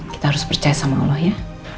kita harus percaya sama allah ya